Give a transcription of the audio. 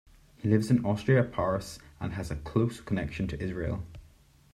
He lives in Austria, Paris and has a close connection to Israel.